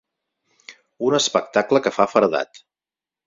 Un espectacle que fa feredat.